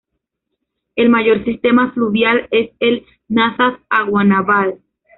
El mayor sistema fluvial es el Nazas-Aguanaval.